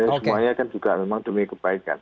semuanya kan juga memang demi kebaikan